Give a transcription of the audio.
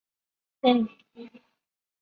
内容与阿尔巴尼亚穆斯林农民起义有关。